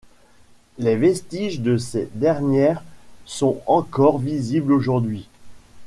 Les vestiges de ces dernières sont encore visibles aujourd’hui.